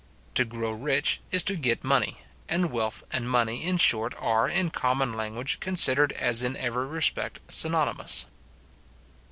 To grow rich is to get money; and wealth and money, in short, are, in common language, considered as in every respect synonymous.